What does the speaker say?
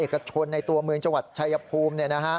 ที่บริษัทขนส่งเอกชนในตัวเมืองจังหวัดชายภูมิ